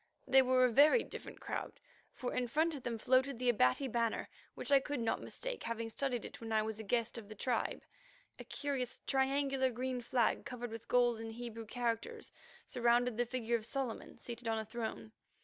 They were a very different crowd, for in front of them floated the Abati banner, which I could not mistake, having studied it when I was a guest of the tribe: a curious, triangular, green flag covered with golden Hebrew characters, surrounding the figure of Solomon seated on a throne.